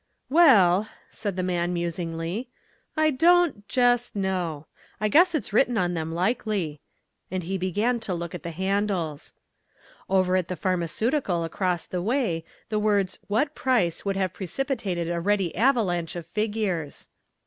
"Well," the man said musingly, "I don't jest know. I guess it's written on them likely," and he began to look at the handles. Over at the Pharmaceutical across the way the words "what price?" would have precipitated a ready avalanche of figures.